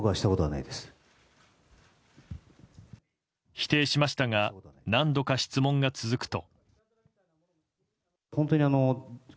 否定しましたが何度か質問が続くと。